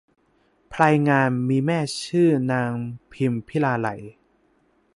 พลายงามมีแม่ชื่อนางพิมพิลาไลย